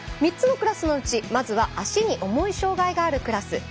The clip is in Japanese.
３つのクラスのうちまずは足に重い障がいがあるクラス